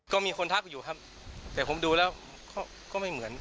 ก็มีคนทักอยู่ครับแต่ผมดูแล้วก็ไม่เหมือน